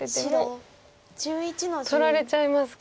取られちゃいますか。